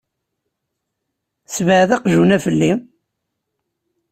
Ssebɛed aqjun-a felli!